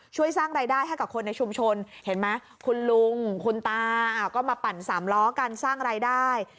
ช่วยสร้างรายได้ให้กับคนในชุมชนเห็นไหมคุณลุงคุณตาก็มาปั่นสามล้อกันสร้างรายได้